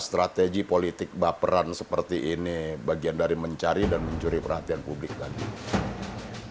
tapi kalau ini mau dijadikan satu isu politik mencuri perhatian publik juga sudah tahu